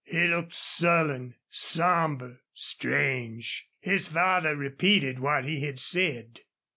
He looked sullen, somber, strange. His father repeated what he had said.